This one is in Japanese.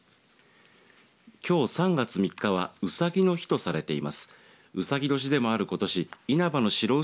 きょう３月３日はうさぎの日とされています。